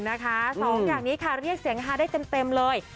นะคะสองอย่างนี้ค่ะเรียกเสียงฮาได้เต็มเลย